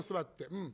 うん。